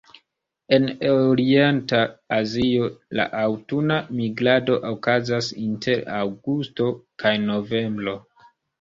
En orienta Azio, la aŭtuna migrado okazas inter aŭgusto kaj novembro.